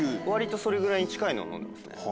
それぐらいに近いの飲んでますね。